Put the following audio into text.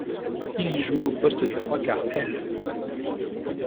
Il y joue au poste de trois-quarts aile.